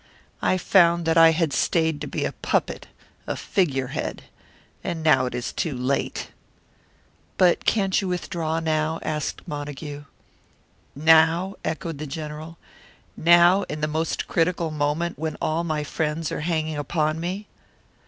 I found that I had stayed to be a puppet, a figurehead. And now it is too late." "But can't you withdraw now?" asked Montague. "Now?" echoed the General. "Now, in the most critical moment, when all my friends are hanging upon me?